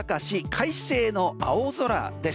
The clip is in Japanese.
快晴の青空です。